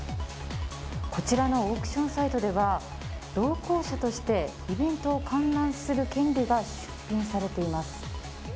こちらのオークションサイトでは同行者としてイベントを観覧する権利が出品されています。